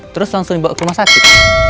terus langsung dibawa ke rumah sakit